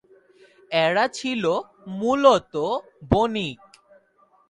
এরা ছিল মূলত বণিক।